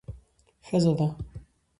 ښځه ده.